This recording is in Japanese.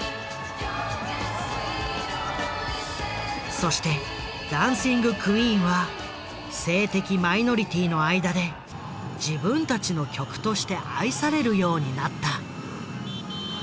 そして「ダンシング・クイーン」は性的マイノリティーの間で自分たちの曲として愛されるようになった。